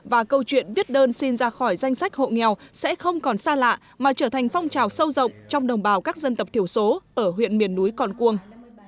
và câu chuyện viết đơn xin ra khỏi danh sách hộ nghèo sẽ không còn xa lạ mà trở thành phong trào sâu rộng trong đồng bào các dân tộc thiểu số ở huyện miền núi còn cuông